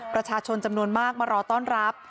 ประชาชนจำนวนมากมารอต้อนรับ